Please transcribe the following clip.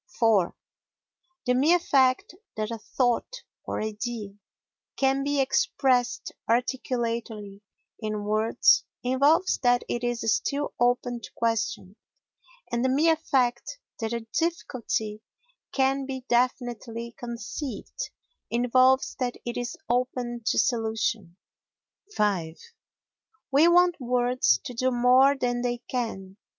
iv The mere fact that a thought or idea can be expressed articulately in words involves that it is still open to question; and the mere fact that a difficulty can be definitely conceived involves that it is open to solution. v We want words to do more than they can.